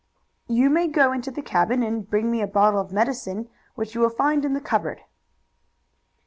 "You may go into the cabin, and bring me a bottle of medicine which you will find in the cupboard."